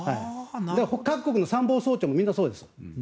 各国の参謀総長もみんなそうです。